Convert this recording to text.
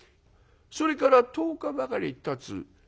それから１０日ばかりたつ。